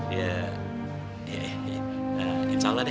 insya allah deh